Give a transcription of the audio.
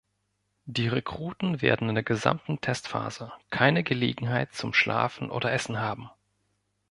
Die Rekruten werden in der gesamten Testphase keine Gelegenheit zum Schlafen oder Essen haben.